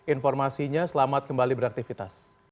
informasinya selamat kembali beraktifitas